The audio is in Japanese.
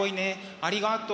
ありがとう。